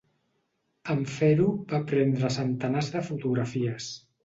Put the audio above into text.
En fer-ho va prendre centenars de fotografies.